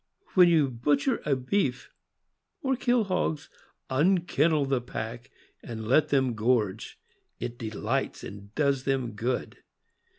When you butcher a beef or kill hogs, unkennel the pack and let them gorge; it delights and does them good.